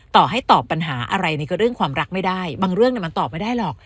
ต่อให้ตอบปัญหาอะไรในเรื่องความรักไม่ได้บางเรื่องมันตอบไม่ได้หรอก